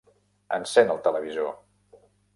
Encén el televisor.